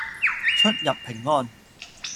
出入平安